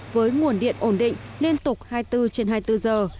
với nguồn điện ổn định liên tục hai mươi bốn trên hai mươi bốn giờ